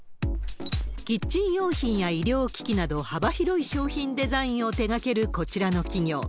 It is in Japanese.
キッチン用品や医療機器など、幅広い商品デザインを手がけるこちらの企業。